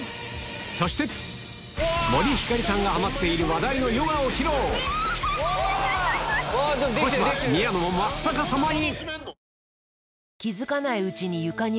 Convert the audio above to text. そして森星さんがハマっている話題のヨガを披露小芝宮野も真っ逆さまに！